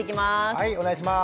はいお願いします。